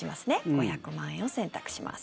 ５００万円を選択します。